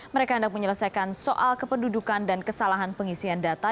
mereka hendak menyelesaikan soal kependudukan dan kesalahan pengisian data